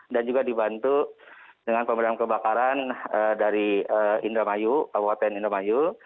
dan juga dibantu dengan pemadam kebakaran dari indramayu kabupaten indramayu